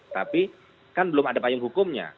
tapi kan belum ada payung hukumnya